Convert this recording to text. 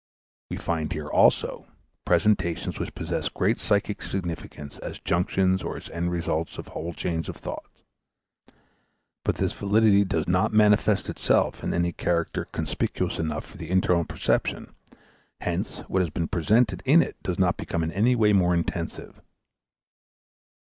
We find here, also, presentations which possess great psychic significance as junctions or as end results of whole chains of thought; but this validity does not manifest itself in any character conspicuous enough for internal perception; hence, what has been presented in it does not become in any way more intensive.